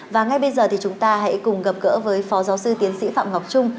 và ngay bây giờ thì chúng ta hãy cùng gặp gỡ với phó giáo sư tiến sĩ phạm ngọc trung